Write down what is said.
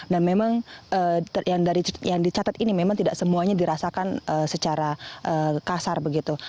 dan memang yang dicatat ini memang tidak semuanya dirasakan secara kasar begitu